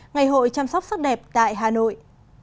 ngày hội chăm sóc sắc đẹp tại hà nội